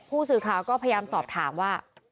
ผู้สื่อข่าวก็พยายามสอบถามว่า